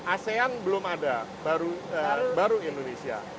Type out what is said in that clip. asean belum ada baru indonesia